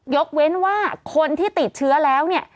ยกเว้นว่าคนที่ติดเชื้อแล้วเนี่ย